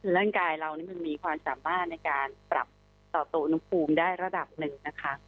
ร่างกายเรานี่มันมีความสามารถในการปรับต่อโตอุณหภูมิได้ระดับหนึ่งนะคะ